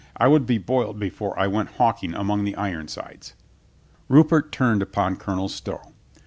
I would be boiled before I went hawking among the Ironsides." Rupert turned upon Colonel Stow.